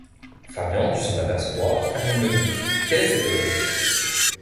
Fabian dut s’en apercevoir, car il me dit :« Quel est cet homme ?